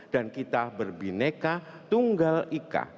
dan kita berbineka tunggal ika